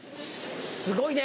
すごいね。